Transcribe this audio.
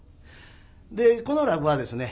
この落語はですね